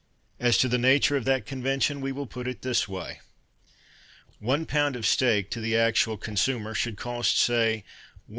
As to the nature of that convention We will put it this way: One pound of steak To the actual consumer Should cost, say, 1s.